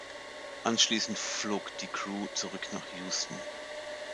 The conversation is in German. Anschließend flog die Crew zurück nach Houston.